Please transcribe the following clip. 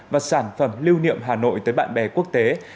và sản phẩm lưu niệm hà nội tới bạn bè quốc tế